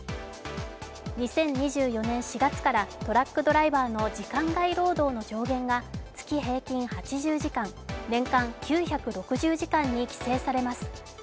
２０２４年４月からトラックドライバーの時間外労働の上限が月平均８０時間、年間９６０時間に規制されます。